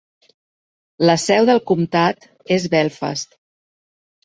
La seu del comtat és Belfast.